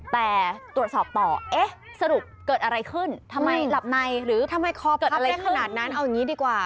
แต่ตรวจสอบต่อเอ๊ะสรุปเกิดอะไรขึ้นทำไมหลับในหรือทำไมคอเกิดอะไรขึ้นได้ขนาดนั้นเอาอย่างนี้ดีกว่า